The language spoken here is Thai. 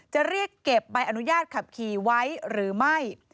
จะเรียกเก็บใบอนุญาตขับขี่ไว้หรือไม่